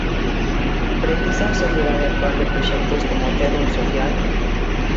Precisa a sociedade actual de proxectos como Terrum Social?